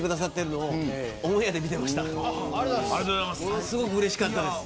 ものすごくうれしかったです。